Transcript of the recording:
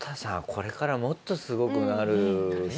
これからもっとすごくなる人ですよね。